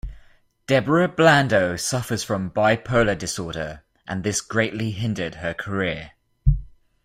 Deborah Blando suffers from bipolar disorder and this greatly hindered her career.